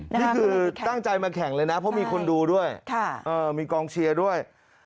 นี่คือตั้งใจมาแข่งเลยนะเพราะมีคนดูด้วยมีกองเชียร์ด้วย